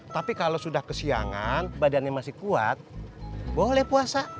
tapi kalau sudah kesiangan badannya masih kuat boleh puasa